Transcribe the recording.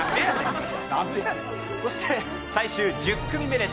そして最終１０組目です。